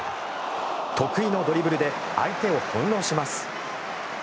得意のドリブルで相手を翻ろうします。